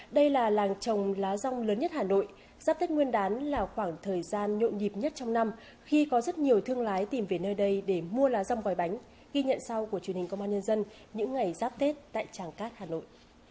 đây là làng trồng lá rong lớn nhất hà nội giáp tết nguyên đán là khoảng thời gian nhộn nhịp nhất trong năm khi có rất nhiều thương lái tìm về nơi đây để mua lá rong gói bánh ghi nhận sau của truyền hình công an nhân dân những ngày giáp tết tại tràng cát hà nội